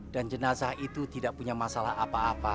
dan jenazah itu tidak punya masalah apa apa